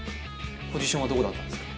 ポジションはどこだったんですか？